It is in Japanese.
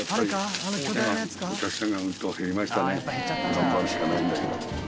頑張るしかないんだけど。